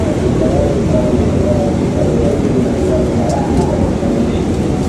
ni tayari saa mbili na dakika thelathini na tano afrika mashariki